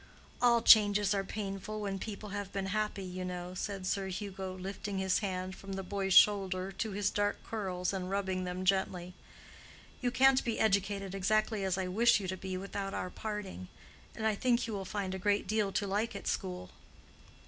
"All changes are painful when people have been happy, you know," said Sir Hugo, lifting his hand from the boy's shoulder to his dark curls and rubbing them gently. "You can't be educated exactly as I wish you to be without our parting. And I think you will find a great deal to like at school."